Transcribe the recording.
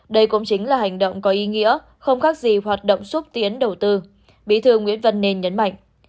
đây cũng chính là hành động có ý nghĩa không khác gì hoạt động xúc tiến đầu tư bí thư nguyễn văn nên nhấn mạnh